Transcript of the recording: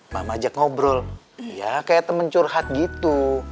mama ajak ngobrol ya kayak temen curhat gitu